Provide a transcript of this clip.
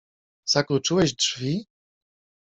Zakluczyłeś drzwi?